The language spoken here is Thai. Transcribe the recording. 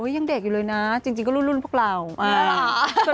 ยังเด็กอยู่เลยนะจริงก็รุ่นพวกเราน่ารัก